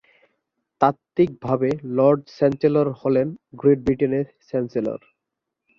তাত্ত্বিকভাবে, lord chancellor হলেন গ্রেট ব্রিটেনের চ্যান্সেলর।